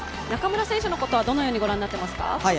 中村選手のことはどのように御覧になっていますか？